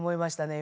今。